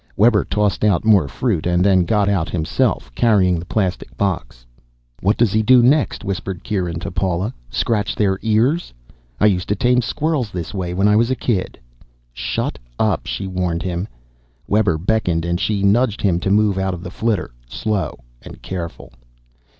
Webber tossed out more fruit, and then got out himself, carrying the plastic box. "What does he do next?" whispered Kieran to Paula. "Scratch their ears? I used to tame squirrels this way when I was a kid." "Shut up," she warned him. Webber beckoned and she nudged him to move out of the flitter. "Slow and careful."